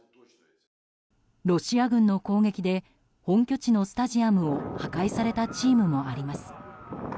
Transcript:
ロシア軍の攻撃で本拠地のスタジアムを破壊されたチームもあります。